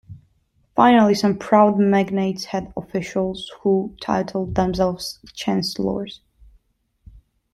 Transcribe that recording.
Finally some proud magnates had officials who titled themselves chancellors.